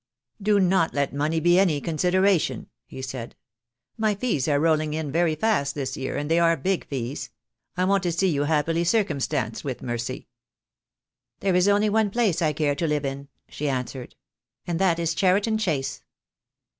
"Do not let money be any consideration," he said. "My fees are rolling in very fast this year, and they are big fees. I want to see you happily circumstanced, with Mercy." THE DAY WILL COME. 243 "There is only one place I care to live in," she an swered, "and that is Cheriton Chase."